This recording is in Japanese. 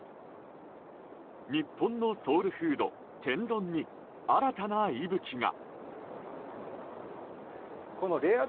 日本のソウルフード天丼に新たな息吹が。